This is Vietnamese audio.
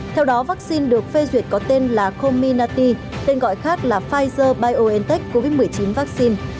theo đó vaccine được phê duyệt có tên là comminati tên gọi khác là pfizer biontech covid một mươi chín vaccine